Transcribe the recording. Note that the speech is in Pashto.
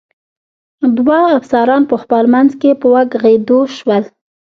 دوه افسران په خپل منځ کې په وږغېدو شول.